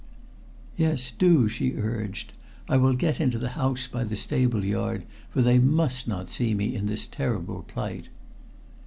"Yes, do," she urged. "I will get into the house by the stable yard, for they must not see me in this terrible plight."